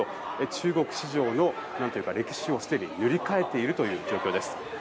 中国史上の歴史をすでに塗り替えている状況です。